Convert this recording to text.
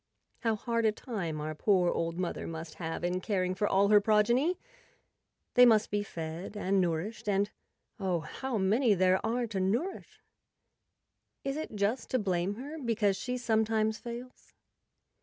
How hard a time our poor old mother must have in caring for all her progeny ! They must be fed [ 57 ] and nourished; and, oh, how many there are to nour¬ ish ! Is it just to blame her because she sometimes fails